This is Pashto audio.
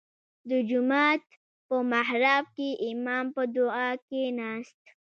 • د جومات په محراب کې امام په دعا کښېناست.